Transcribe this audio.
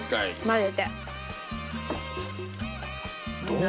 混ぜて。